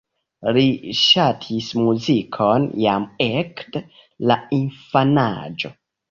Li ŝatis muzikon jam ekde la infanaĝo.